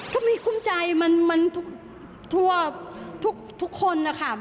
ก็ไม่คุ้มใจมันทั่วทุกคนนะคะ